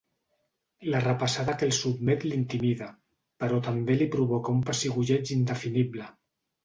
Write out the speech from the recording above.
La repassada a què el sotmet l'intimida, però també li provoca un pessigolleig indefinible.